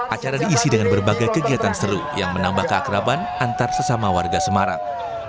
acara diisi dengan berbagai kegiatan seru yang menambah keakraban antar sesama warga semarang